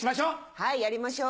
はいやりましょう。